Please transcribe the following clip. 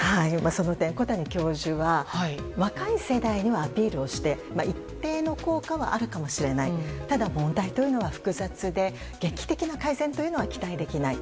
その点、小谷教授は若い世代にはアピールして一定の効果はあるかもしれないただ問題は複雑で劇的な改善は期待できない。